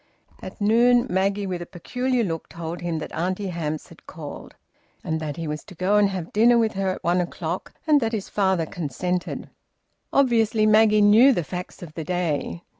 At noon, Maggie, with a peculiar look, told him that Auntie Hamps had called and that he was to go and have dinner with her at one o'clock, and that his father consented. Obviously, Maggie knew the facts of the day.